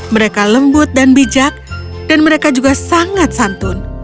mereka lembut dan bijak dan mereka juga sangat santun